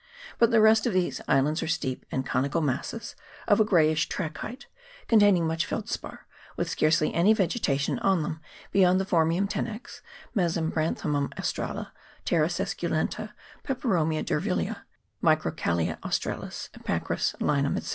But the rest of these islands are steep and conical masses of a greyish trachite, containing much feld spar, with scarcely any vegetation on them beyond the Phormium tenax, Mesembryanthemum australe, Pteris esculenta, Peperomia d'Urvillei, Microcalia australis, epacris, linum, &c.